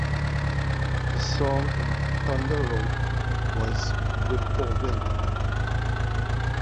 Her song in "Thunder Road" was "Whippoorwill".